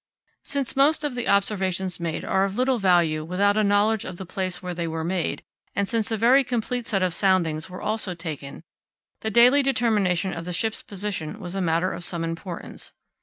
Since most of the observations made are of little value without a knowledge of the place where they were made, and since a very complete set of soundings were also taken, the daily determination of the ship's position was a matter of some importance.